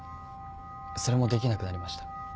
それもできなくなりました。